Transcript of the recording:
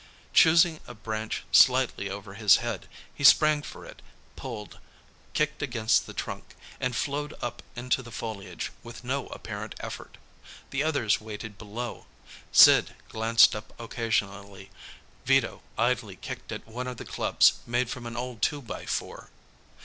Choosing a branch slightly over his head, he sprang for it, pulled, kicked against the trunk, and flowed up into the foliage with no apparent effort. The others waited below. Sid glanced up occasionally, Vito idly kicked at one of the clubs made from an old two by four.